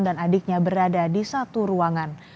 dan adiknya berada di satu ruangan